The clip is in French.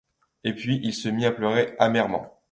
Et puis il se mit à pleurer amèrement.